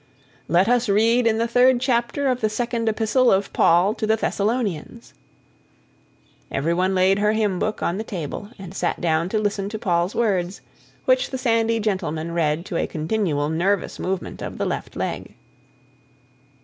"Let us read in the third chapter of the Second Epistle of Paul to the Thessalonians." Everyone laid her hymn book on the table and sat down to listen to Paul's words, which the sandy gentleman read to a continual nervous movement of the left leg.